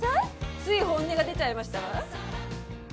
つい本音が出ちゃいましたわ。